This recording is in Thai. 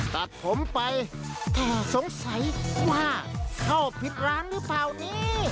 ตัดผมไปแต่สงสัยว่าเข้าผิดร้านหรือเปล่านี่